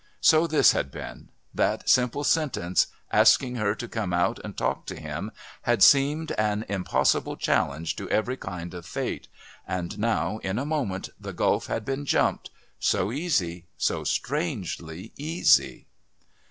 So this had been; that simple sentence asking her to come out and talk to him had seemed an impossible challenge to every kind of fate, and now, in a moment, the gulf had been jumped...so easy, so strangely easy....